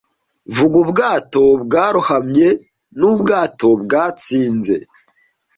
Vuga ubwato bwarohamye nubwato bwatsinze